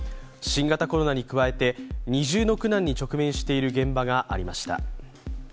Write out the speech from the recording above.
新型コロナに加えて、二重の苦難に直面している現場がありました。